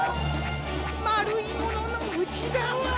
まるいもののうちがわ。